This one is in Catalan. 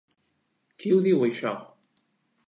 Qui ho diu, això?